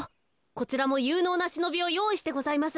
こちらもゆうのうなしのびをよういしてございます。